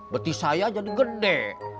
beti saya jadi gede